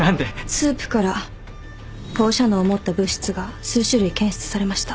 スープから放射能を持った物質が数種類検出されました。